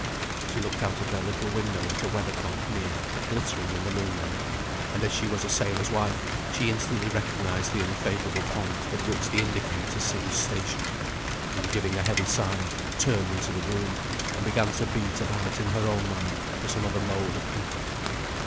She looked out of their little window at a weather cock, near, glittering in the moonlight; and as she was a sailor's wife, she instantly recognised the unfavourable point at which the indicator seemed stationary, and giving a heavy sigh, turned into the room, and began to beat about in her own mind for some other mode of comfort.